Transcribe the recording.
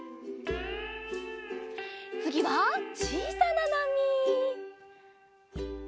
つぎはちいさななみ。